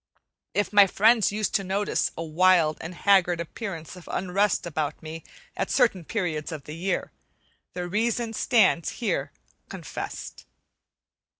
If my friends used to notice a wild and haggard appearance of unrest about me at certain periods of the year, the reason stands here confessed.